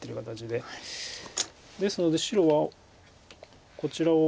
ですので白はこちらを。